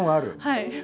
はい。